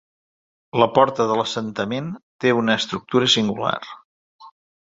La porta de l'assentament té una estructura singular.